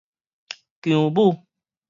薑母